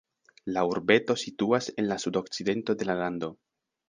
La urbeto situas en la sudokcidento de la lando.